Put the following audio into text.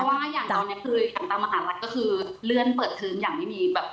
เพราะว่าอย่างตอนนี้คืออย่างตามมหาลักษณ์ก็คือเลื่อนเปิดทืมอย่างไม่มีแบบ